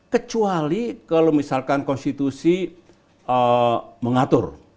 kecuali kalau misalkan konstitusi mengatur